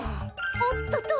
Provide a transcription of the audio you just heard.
おっとと！